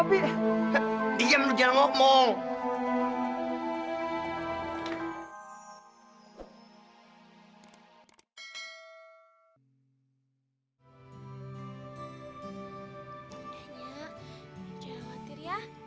nyanya jangan khawatir ya